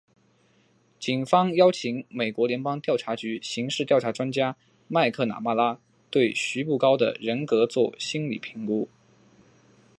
警方邀请美国联邦调查局刑事调查专家麦克纳马拉对徐步高的人格作心理评估。